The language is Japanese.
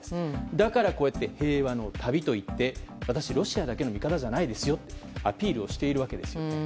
だから平和の旅と言って私、ロシアだけの味方じゃないですよとアピールをしているわけです。